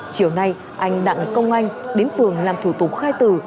chiều nay anh đặng công anh đến phường làm thủ tục khai tử